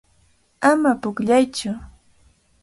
Ama pukllaytsu.